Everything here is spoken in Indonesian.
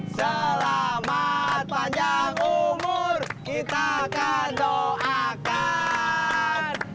selamat panjang umur kita akan doakan